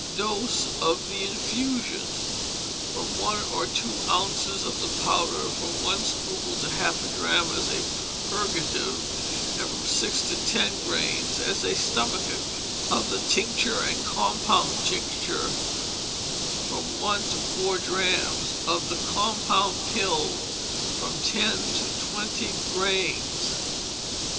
Dose, of the infusion, from one to two ounces; of the powder, from one scruple to half a drachm as a purgative, and from six to ten grains as a stomachic; of the tincture and compound tincture, from one to four drachms; of the compound pill, from ten to twenty grains.